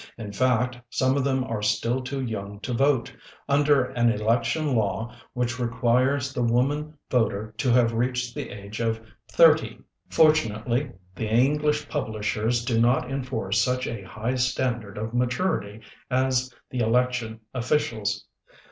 In fact some of them are still too young to vote, un der an election law which requires the woman voter to have reached the age of thirty. Fortunately the English publishers do not enforce such a high stand ard of maturity as the election officials.